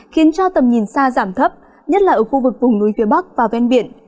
khiến cho tầm nhìn xa giảm thấp nhất là ở khu vực vùng núi phía bắc và ven biển